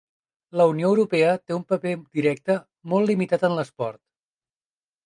La Unió Europea té un paper directe molt limitat en l'esport.